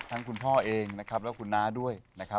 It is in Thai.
คุณพ่อเองนะครับและคุณน้าด้วยนะครับ